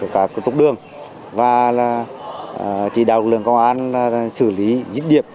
các trục đường và chỉ đạo lượng công an xử lý dịch điệp